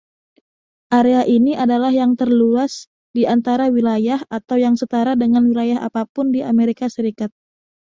Area ini adalah yang terluas di antara wilayah atau yang setara dengan wilayah apa pun di Amerika Serikat.